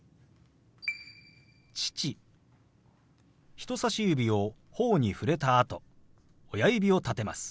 人さし指をほおに触れたあと親指を立てます。